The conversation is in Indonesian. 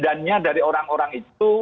dannya dari orang orang itu